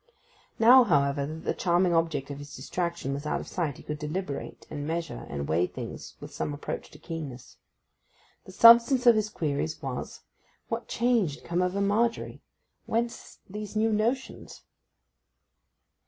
Now, however, that the charming object of his distraction was out of sight he could deliberate, and measure, and weigh things with some approach to keenness. The substance of his queries was, What change had come over Margery—whence these new notions?